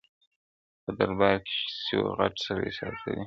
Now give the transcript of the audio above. په دربار کي یې څو غټ سړي ساتلي.!